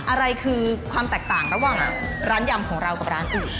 อะไรคือความแตกต่างระหว่างร้านยำของเรากับร้านอื่น